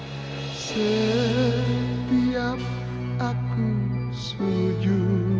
setiap aku setuju